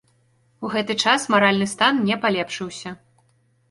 У гэты час маральны стан не палепшыўся.